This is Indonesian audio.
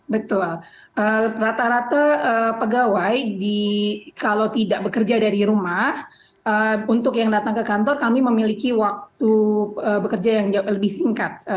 betul rata rata pegawai kalau tidak bekerja dari rumah untuk yang datang ke kantor kami memiliki waktu bekerja yang lebih singkat